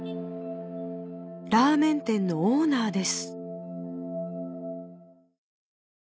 ラーメン店のオーナーです